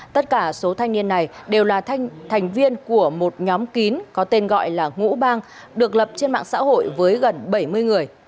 tất cả số thanh niên này đều là thành viên của một nhóm kín có tên gọi là ngũ băng được lập trên mạng xã hội với gần bảy mươi người